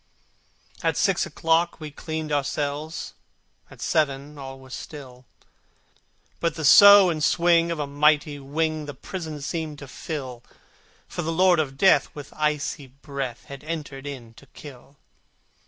At six o'clock we cleaned our cells, At seven all was still, But the sough and swing of a mighty wing The prison seemed to fill, For the Lord of Death with icy breath Had entered in to kill.